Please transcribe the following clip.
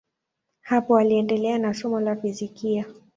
Hapo aliendelea na somo la fizikia.